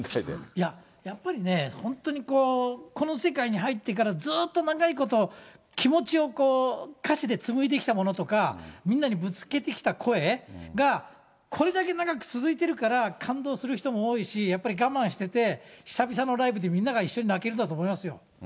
いや、やっぱりね、本当にこの世界に入ってからずっと長いこと、気持ちを歌詞でつむいできたものとか、みんなにぶつけてきた声が、これだけ長く続いてるから、感動する人も多いし、やっぱり我慢してて、久々のライブで、みんなが一緒に泣けるんだと思いますよ。